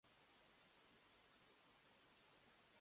ああ、今日は日曜だったんだね、僕すっかり忘れていた。